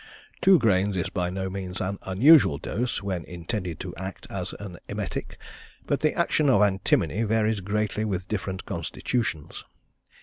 Two grains is by no means an unusual dose when intended to act as an emetic; but the action of antimony varies greatly with different constitutions.